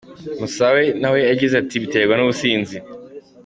Musabe na we yagize ati “Biterwa n’ubusinzi.